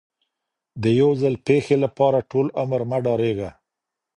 د یو ځل پیښې لپاره ټول عمر مه ډارېږه.